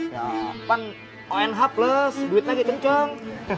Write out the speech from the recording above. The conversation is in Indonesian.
ya kan onh plus duit lagi cengceng